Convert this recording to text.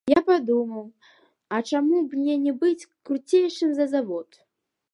Я падумаў, а чаму б мне не быць круцейшым за завод.